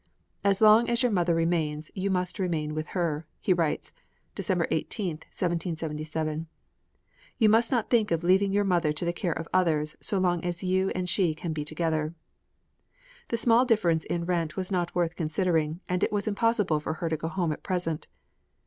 "As long as your mother remains, you must remain with her," he writes (December 18, 1777); "you must not think of leaving your mother to the care of others as long as you and she can be together." The small difference in rent was not worth considering, and it was impossible for her to go home at present.